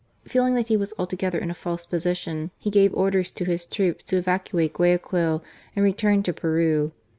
Feeling that he was altogether in a false position, he gave orders to his troops to evacuate Guayaquil, and return to Peru.